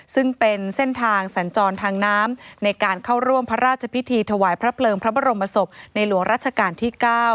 ซึ่งเป็นเส้นทางสัญจรทางน้ำในการเข้าร่วมพระราชพิธีถวายพระเพลิงพระบรมศพในหลวงรัชกาลที่๙